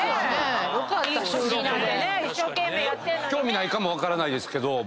興味ないかもわからないですけど。